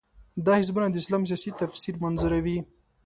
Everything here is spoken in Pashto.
دا حزبونه د اسلام سیاسي تفسیر منظوروي.